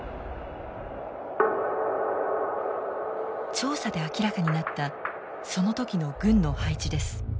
調査で明らかになったその時の軍の配置です。